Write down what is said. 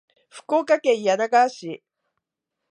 福岡県柳川市